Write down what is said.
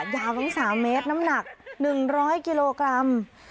ยาวตั้ง๓เมตรน้ำหนัก๑๐๐กิโลกรัม